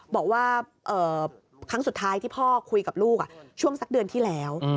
บอกว่าครั้งสุดท้ายที่พ่อคุยกับลูกช่วงสักเดือนที่แล้ว